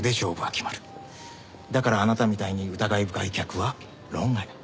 だからあなたみたいに疑い深い客は論外。